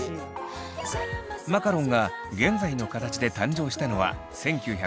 マカロンが現在の形で誕生したのは１９３０年代。